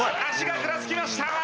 足がふらつきました。